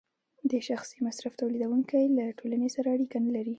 د شخصي مصرف تولیدونکی له ټولنې سره اړیکه نلري